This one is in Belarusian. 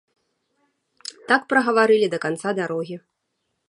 Так прагаварылі да канца дарогі.